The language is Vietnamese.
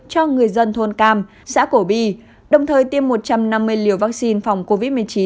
cho người dân thôn cam xã cổ bi đồng thời tiêm một trăm năm mươi liều vaccine phòng covid một mươi chín